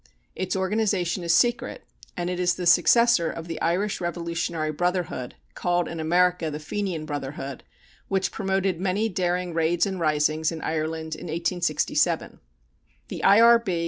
Its organization is secret and it is the successor of the Irish Revolutionary Brotherhood, called in America the Fenian Brotherhood, which promoted many daring raids and risings in Ireland in 1867. The I.R.B.